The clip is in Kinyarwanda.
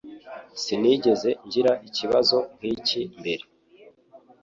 Sinigeze ngira ikibazo nkiki mbere.